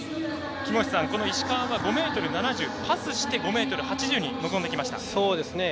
木越さん、石川は５ｍ７０パスして５ｍ８０臨んできました。